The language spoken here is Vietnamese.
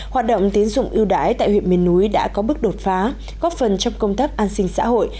hoạt động tiến dụng ưu đái tại huyện miền núi đã có bước đột phá góp phần trong công tác an sinh xã hội